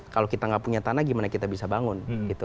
kalau kita tidak punya tanah bagaimana kita bisa bangun